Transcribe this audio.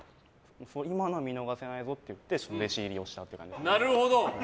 今の見逃せないぞっていって弟子入りをしたっていう感じです。